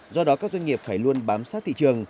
do đó các doanh nghiệp phải luôn bám sát thị trường